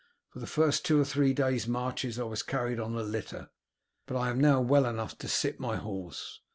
For the first two or three days' marches I was carried on a litter, but I am now well enough to sit my horse.